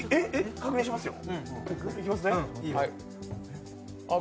確認しますよ。